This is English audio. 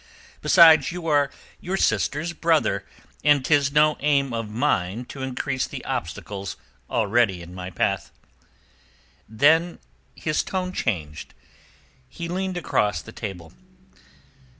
Besides, you are your sister's brother, and 'tis no aim of mine to increase the obstacles already in my path." Then his tone changed. He leaned across the table.